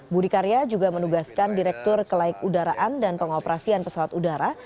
budi karya juga menugaskan direktur kelaik udaraan dan pengoperasian pesawat udara